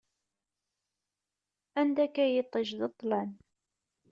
Anda-k a yiṭij, d ṭlam!